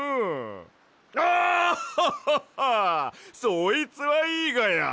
そいつはいいがや！